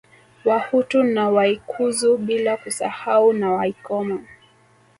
Wahutu na Waikizu bila kusahau na Waikoma